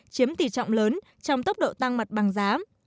chiếm tỷ trọng lớn trong tốc độ tăng mặt bằng giá